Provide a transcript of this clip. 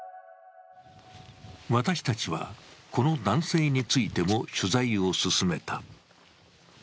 私たちは、この男性についても取材を進めた。